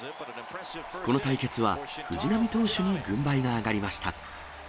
この対決は藤浪投手に軍配が上がりました。